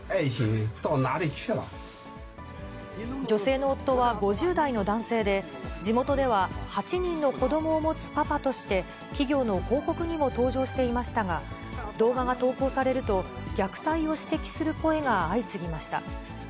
女性の夫は５０代の男性で、地元では８人の子どもを持つパパとして、企業の広告にも登場していましたが、動画が投稿されると、虐待を指摘する声が相次ぎました。